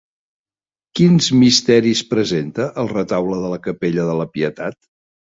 Quins misteris presenta el retaule de la capella de la Pietat?